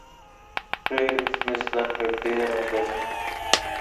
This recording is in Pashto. غیر رسمي زده کړه ډېره اغېزمنه وي.